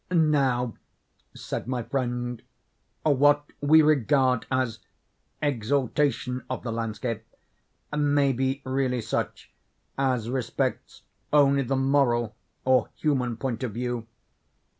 "Now," said my friend, "what we regard as exaltation of the landscape may be really such, as respects only the moral or human point of view.